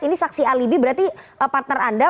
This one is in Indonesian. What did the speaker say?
ini saksi alibi berarti partner anda